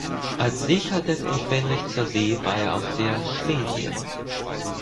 Als Seekadett und Fähnrich zur See war er auf der "Schlesien".